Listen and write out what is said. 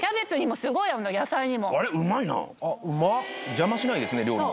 邪魔しないですね料理の。